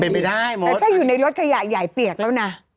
เป็นไปได้ถ้าอยู่ในรถขยะใหญ่เปียกแล้วนะ